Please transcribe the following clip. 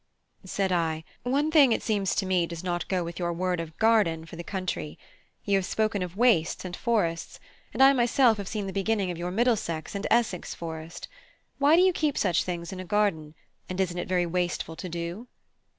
Said I: "One thing, it seems to me, does not go with your word of 'garden' for the country. You have spoken of wastes and forests, and I myself have seen the beginning of your Middlesex and Essex forest. Why do you keep such things in a garden? and isn't it very wasteful to do so?"